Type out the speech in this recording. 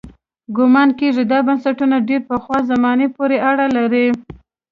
ګومان کېږي دا بنسټونه ډېرې پخوا زمانې پورې اړه لري.